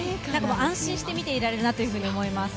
安心して見ていられるなと思います。